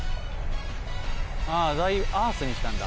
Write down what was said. ああダイアースにしたんだ。